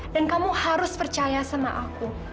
dan kamu harus percaya sama aku